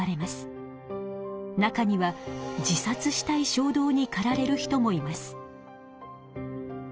中には自殺したいしょう動にかられる人もいます。